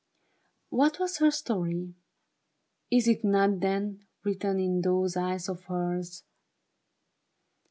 What was her story ? Is it not Then, written in those eyes of hers